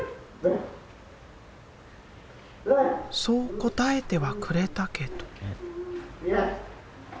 そう答えてはくれたけど。